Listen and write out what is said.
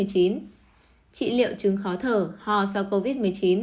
trị liệu chứng khó thở ho do covid một mươi chín